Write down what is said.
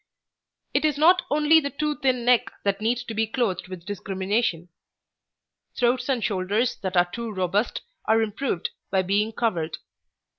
It is not only the too thin neck that needs to be clothed with discrimination. Throats and shoulders that are too robust are improved by being covered.